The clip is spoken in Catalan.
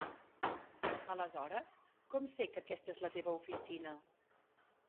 Aleshores com sé que aquesta és la teva oficina?